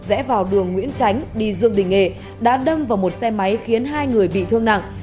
rẽ vào đường nguyễn tránh đi dương đình nghệ đã đâm vào một xe máy khiến hai người bị thương nặng